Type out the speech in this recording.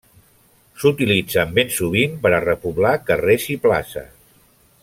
S'utilitzen ben sovint per a repoblar carrers i places.